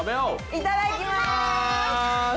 いただきます！